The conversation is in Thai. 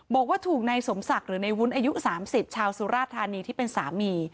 บอกว่าถูกนายสมศักดิ์หรือในวุ้นอายุ๓๐ชาวสุราธานีที่เป็นสามี